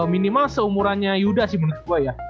minimal seumurannya yuda sih menurut gue ya